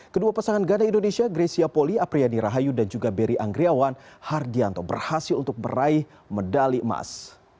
kedua pasangan ganda indonesia grecia poli apriyani rahayu dan juga beri anggriawan hardianto berhasil untuk meraih medali emas